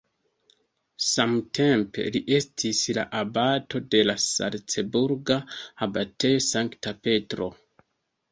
Samtempe li estis la abato de la salcburga abatejo Sankta Petro.